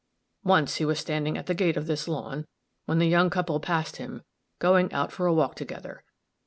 Once, he was standing at the gate of this lawn, when the young couple passed him, going out for a walk together.